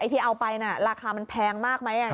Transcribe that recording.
ไอ้ที่เอาไปน่ะราคามันแพงมากมั้ย